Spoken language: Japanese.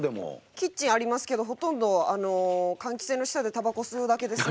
キッチンありますがほとんど換気扇の下でたばこ吸うだけですね。